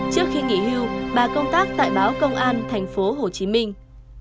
trước khi nghỉ hưu bà công tác tại báo công an thành phố hồ chí minh